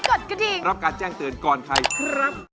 คือทอดหลายหลายหัวใจให้โทรมาถาม